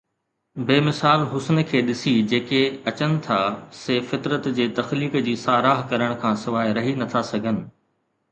بي مثال حسن کي ڏسي، جيڪي اچن ٿا سي فطرت جي تخليق جي ساراهه ڪرڻ کان سواءِ رهي نٿا سگهن.